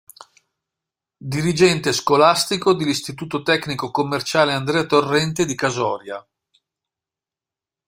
Dirigente Scolastico dell'Istituto Tecnico commerciale "Andrea Torrente" di Casoria.